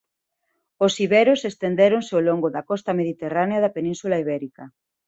Os iberos estendéronse ao longo da costa mediterránea da Península Ibérica.